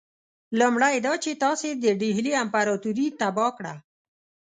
لومړی دا چې تاسي د ډهلي امپراطوري تباه کړه.